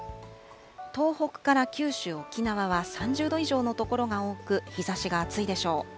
東北から九州、沖縄は３０度以上の所が多く、日ざしがあついでしょう。